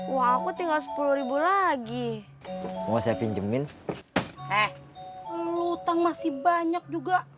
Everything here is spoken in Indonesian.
uangku tinggal sepuluh lagi mau saya pinjemin eh lutang masih banyak juga